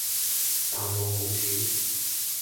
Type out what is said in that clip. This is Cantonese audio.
但我冇錢